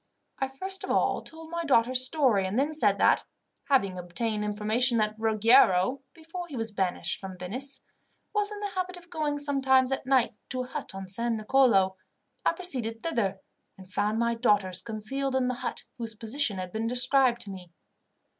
I first of all told my daughters' story, and then said that, having obtained information that Ruggiero, before he was banished from Venice, was in the habit of going sometimes at night to a hut on San Nicolo, I proceeded thither, and found my daughters concealed in the hut whose position had been described to me.